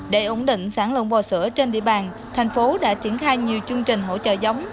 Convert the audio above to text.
để ổn định sản lượng bò sữa trên địa bàn thành phố đã triển khai nhiều chương trình hỗ trợ giống